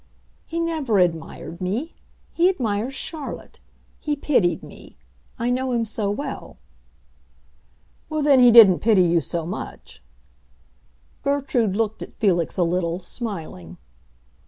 "He never admired me. He admires Charlotte; he pitied me. I know him so well." "Well, then, he didn't pity you so much." Gertrude looked at Felix a little, smiling.